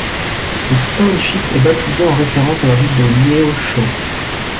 Le township est baptisé en référence à la ville de Neosho.